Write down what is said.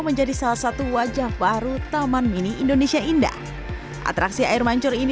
menjadi salah satu wajah baru taman mini indonesia indah atraksi air mancur ini